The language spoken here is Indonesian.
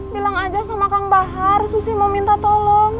bilang aja sama kang bahar susi mau minta tolong